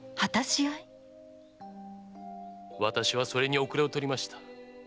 私はそれに後れを取りました。